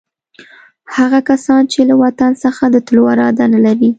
هغه کسان چې له وطن څخه د تللو اراده نه لري.